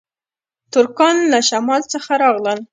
ترکان له شمال څخه راغلل